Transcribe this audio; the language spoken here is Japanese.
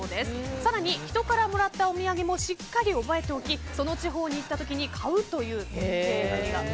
更に人からもらったお土産もしっかり覚えておきその地方に行った時に買うという徹底ぶり。